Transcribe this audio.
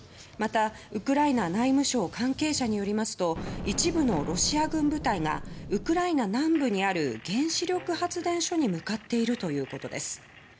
またウクライナ内務省関係者によりますと一部のロシア軍部隊がウクライナ南部にある原子力発電所に向かっているということです。